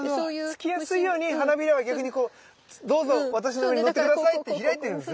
つきやすいように花びらは逆にこうどうぞ私の上にのって下さいって開いているんですね。